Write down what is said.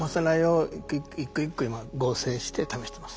一個一個今合成して試してます。